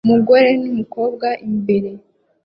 Umugore n'umukobwa imbere